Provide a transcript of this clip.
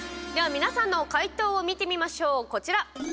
皆さんの解答を見てみましょう。